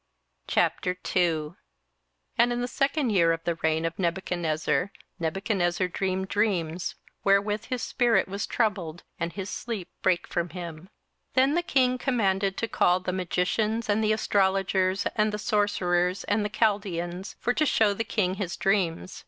27:002:001 And in the second year of the reign of Nebuchadnezzar Nebuchadnezzar dreamed dreams, wherewith his spirit was troubled, and his sleep brake from him. 27:002:002 Then the king commanded to call the magicians, and the astrologers, and the sorcerers, and the Chaldeans, for to shew the king his dreams.